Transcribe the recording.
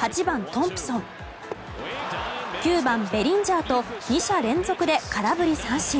８番、トンプソン９番、ベリンジャーと２者連続で空振り三振。